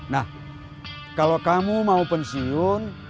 nah kalau kamu mau pensiun